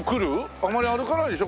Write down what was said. あまり歩かないでしょ？